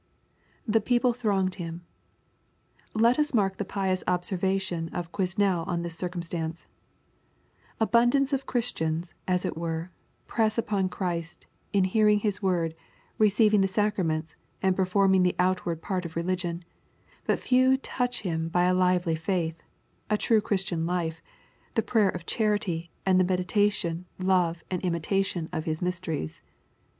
[TJie people thronged him.] Let us mark the pious observation of Quesnel on this circumstance :" Abundance of Christians, as it were, press upon Christ in hearing His word, receiving the saora* mentS) and performing the outward part of religion ; but few touch Him by a hvely faith, a true Christian life, the prayer of charity, and the meditation, love and imitation of His mysteries.